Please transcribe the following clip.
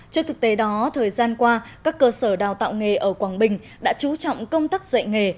trước thực tế đó thời gian qua các cơ sở đào tạo nghề ở quảng bình đã chú trọng công tác dạy nghề